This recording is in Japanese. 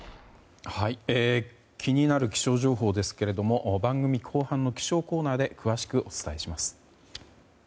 気になる気象情報ですが番組後半の気象コーナーで詳しくお伝えします。